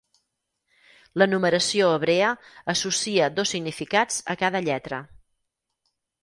La numeració hebrea associa dos significats a cada lletra.